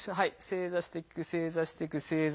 正座していく正座していく。